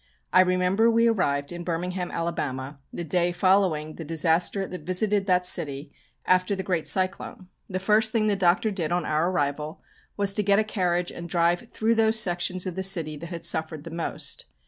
I remember we arrived in Birmingham, Alabama, the day following the disaster that visited that city after the great cyclone. The first thing the Doctor did on our arrival was to get a carriage and drive through those sections of the city that had suffered the most.